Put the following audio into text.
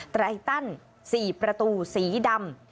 ตรายตั้น๔ประตูสีดำ